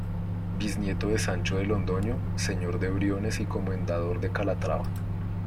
Bisnieto de Sancho de Londoño, señor de Briones y comendador de Calatrava.